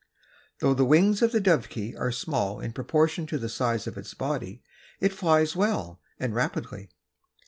Though the wings of the Dovekie are small in proportion to the size of its body it flies well and rapidly.